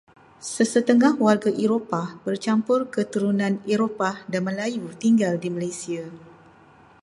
Sesetengah warga Eropah bercampur keturunan Eropah dan Melayu tinggal di Malaysia.